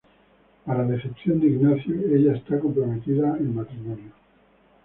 Para decepción de Ignacio, ella está comprometida en matrimonio.